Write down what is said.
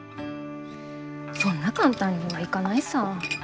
そんな簡単にはいかないさ。